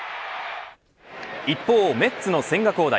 一方、メッツの千賀滉大。